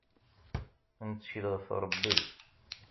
Nettkel ɣef Rebbi.